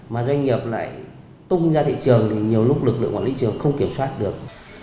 mà doanh nghiệp lại tung ra thị trường thì nhiều lúc lực lượng quản lý thị trường không kiểm soát được